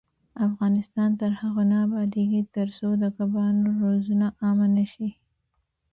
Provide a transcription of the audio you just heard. افغانستان تر هغو نه ابادیږي، ترڅو د کبانو روزنه عامه نشي.